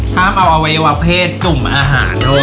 ห้ามเอาอวัยวะเภทจุ่มอาหารหรอ